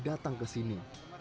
datang ke sini